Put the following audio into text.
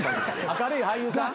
明るい俳優さん？